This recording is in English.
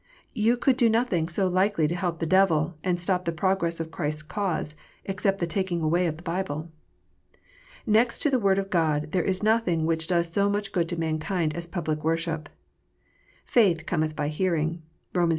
You could do nothing so likely to help the devil and stop the progress of Christ s cause, except the taking away of the Bible. Next to the Word of God there is nothing which does so much good to mankind as public worship. "Faith cometh by hearing." (Rom. x.